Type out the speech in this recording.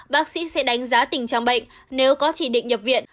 bác sĩ sẽ đánh giá tình trạng bệnh nếu có chỉ định nhập viện